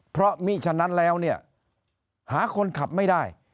เพราะมิฉะนั้นแล้วเนี่ยหาคนขับไม่ได้